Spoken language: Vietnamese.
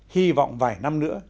hy vọng vài năm nữa